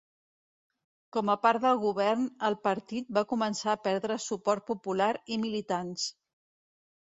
Com a part del govern, el partit va començar a perdre suport popular i militants.